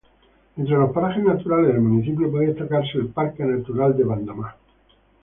Entre los parajes naturales del municipio puede destacarse el Parque Natural de Bandama.